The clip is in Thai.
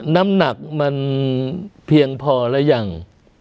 น้ำหนักมันเพียงพอหรือยัง